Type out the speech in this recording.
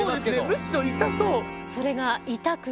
むしろ痛そう。